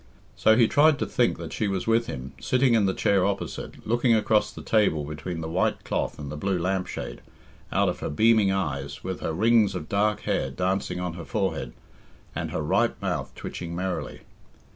So he tried to think that she was with him, sitting in the chair opposite, looking across the table between the white cloth and the blue lamp shade, out of her beaming eyes, with her rings of dark hair dancing on her forehead, and her ripe mouth twitching merrily.